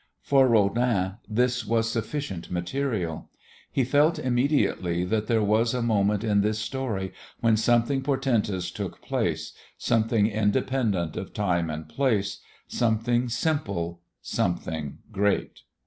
For Rodin this was sufficient material. He felt immediately that there was a moment in this story when something portentous took place, something independent of time and place, something simple, something great.